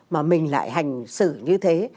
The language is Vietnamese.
mà mình lại hành xử như thế